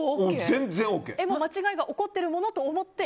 間違いが起こっているものと思って？